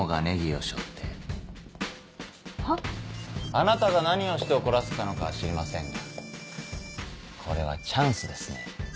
あなたが何をして怒らせたのかは知りませんがこれはチャンスですね。